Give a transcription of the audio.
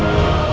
aku akan menang